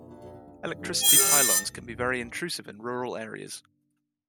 Electricity pylons can be very intrusive in rural areas